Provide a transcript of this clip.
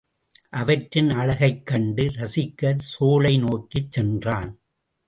அவற்றின் அழகைக் கண்டு ரசிக்கச் சோலைநோக்கிச் சென்றான்.